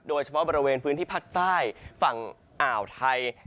โดยเฉพาะบริเวณพื้นที่ภาคใต้ฝั่งอ่าวไทย